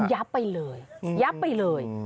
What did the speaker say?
ไปเลยยับไปเลย